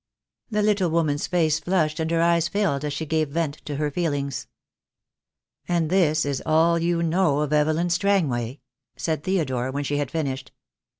The little woman's face flushed and her eyes filled as she gave vent to her feelings. "And this is all you know of Evelyn Strangway?" said Theodore, when she had finished.